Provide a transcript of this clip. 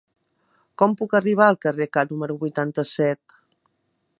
Com puc arribar al carrer K número vuitanta-set?